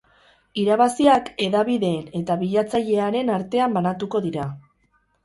Irabaziak hedabideen eta bilatzailearen artean bakatuko dira.